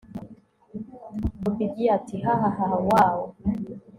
obedia ati hahahaha woowwww